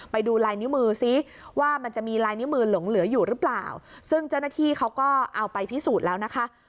ไปดูลายนิ้วมือซิว่ามันจะมีลายนิ้วมือหลงเหลืออยู่หรือเปล่าซึ่งเจ้าหน้าที่เขาก็เอาไปพิสูจน์แล้วนะคะ